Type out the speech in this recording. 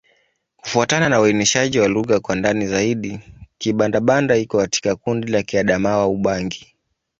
Kufuatana na uainishaji wa lugha kwa ndani zaidi, Kibanda-Banda iko katika kundi la Kiadamawa-Ubangi.